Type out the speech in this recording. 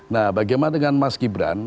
nah bagaimana dengan mas gibran